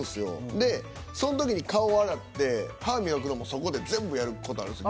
でそん時に顔洗って歯磨くのもそこで全部やる事あるんすよ。